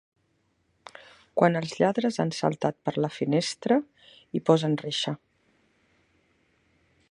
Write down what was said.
Quan els lladres han saltat per la finestra, hi posen reixa.